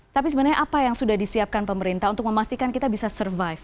tapi sebenarnya apa yang sudah disiapkan pemerintah untuk memastikan kita bisa survive